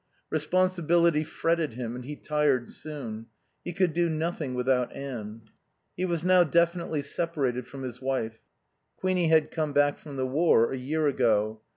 Responsibility fretted him and he tired soon. He could do nothing without Anne. He was now definitely separated from his wife. Queenie had come back from the war a year ago.